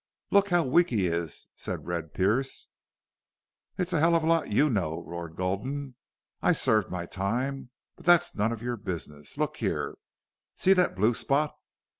"Look how weak he is," said Red Pearce. "It's a hell of a lot you know," roared Gulden. "I served my time but that's none of your business.... Look here! See that blue spot!"